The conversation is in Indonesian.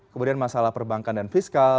kemudian masalah perbankan dan fiskal